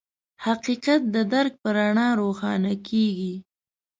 حقیقت د درک په رڼا روښانه کېږي.